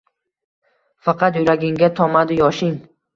Faqat yuragingga tomadi yoshing